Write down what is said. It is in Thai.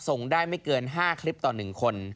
ส่งได้ไม่เกิน๕คลิปต่อ๑คน